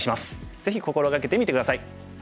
ぜひ心掛けてみて下さい。